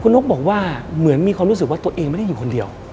นกบอกว่าเหมือนมีความรู้สึกว่าตัวเองไม่ได้อยู่คนเดียว